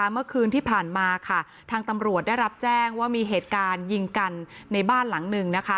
เมื่อคืนที่ผ่านมาค่ะทางตำรวจได้รับแจ้งว่ามีเหตุการณ์ยิงกันในบ้านหลังหนึ่งนะคะ